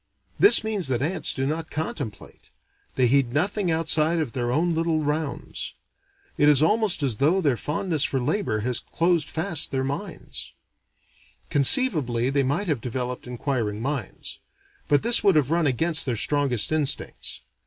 This means that ants do not contemplate: they heed nothing outside of their own little rounds. It is almost as though their fondness for labor had closed fast their minds. Conceivably they might have developed inquiring minds. But this would have run against their strongest instincts.